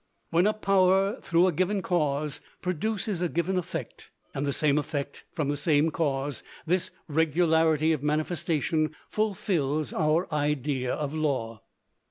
When a power through a given cause produces a given effect, and the same effect from the same cause, this regularity of manifestation fulfills our idea of law.